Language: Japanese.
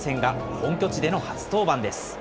本拠地での初登板です。